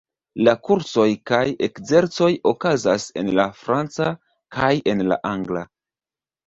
La kursoj kaj ekzercoj okazas en la franca kaj en la angla.